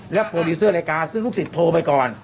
โปรดิวเซอร์รายการซึ่งลูกศิษย์โทรไปก่อน